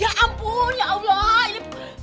ya ampun ya allah